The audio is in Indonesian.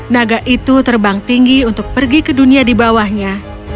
naga itu terbang tinggi untuk pergi ke dunia di bawahnya